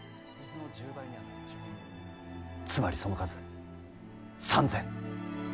つまりその数３，０００。